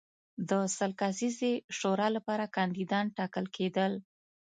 د سل کسیزې شورا لپاره کاندیدان ټاکل کېدل.